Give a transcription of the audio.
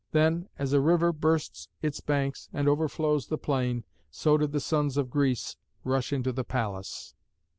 Then, as a river bursts its banks and overflows the plain, so did the sons of Greece rush into the palace.